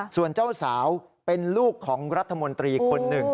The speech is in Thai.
ส่วนเจ้าสาวเป็นลูกของรัฐมนตรีคนหนึ่ง